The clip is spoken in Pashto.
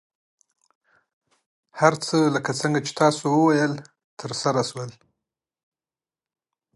هر څه لکه څنګه چې تاسو وویل، ترسره شول.